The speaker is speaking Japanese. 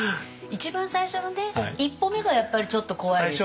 一番最初のね一歩目がやっぱりちょっと怖いですけどね。